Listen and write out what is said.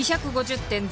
２５０店